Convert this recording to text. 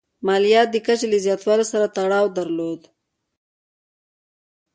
مالیاتو د کچې له زیاتوالي سره تړاو درلود.